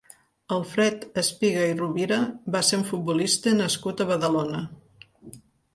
Alfred Espiga i Rovira va ser un futbolista nascut a Badalona.